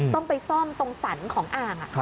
ต้องไปซ่อมตรงสรรของอ่าง